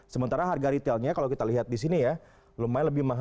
sementara harga retailnya kalau kita lihat di sini ya lumayan lebih mahal